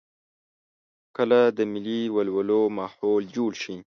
کله د ملي ولولو ماحول جوړ شي.